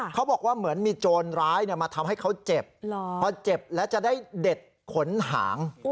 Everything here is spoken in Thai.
เขาบอกว่าเหมือนมีโจรร้ายมาทำให้เขาเจ็บพอเจ็บแล้วจะได้เด็ดขนหาง